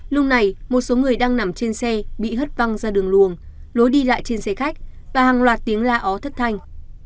lúc này một số người đang nằm trên xe bị hất văng ra đường luồng lối đi lại trên xe khách và hàng loạt tiếng la ó thất thanh